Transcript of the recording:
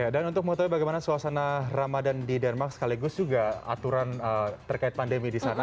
dan untuk mengetahui bagaimana suasana ramadan di denmark sekaligus juga aturan terkait pandemi di sana